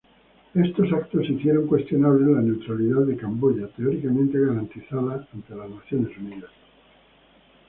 Estos actos hicieron cuestionable la neutralidad de Camboya, teóricamente garantizada ante las Naciones Unidas.